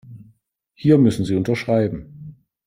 Hier müssen Sie unterschreiben.